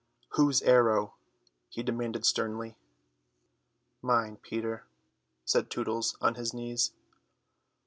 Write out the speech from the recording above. "Whose arrow?" he demanded sternly. "Mine, Peter," said Tootles on his knees.